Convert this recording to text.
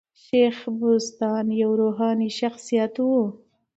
شېخ بُستان یو روحاني شخصیت وو.